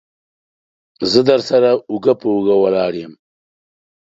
زه درسره اوږه په اوږه ولاړ يم.